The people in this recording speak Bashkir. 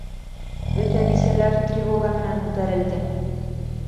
Бөтә бисәләр тревога менән күтәрелде.